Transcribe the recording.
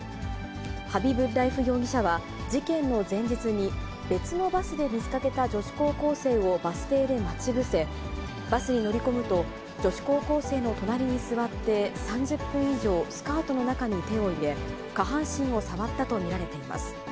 ハビブッラエフ容疑者は事件の前日に、別のバスで見かけた女子高校生をバス停で待ち伏せ、バスに乗り込むと、女子高校生の隣に座って３０分以上スカートの中に手を入れ、下半身を触ったと見られています。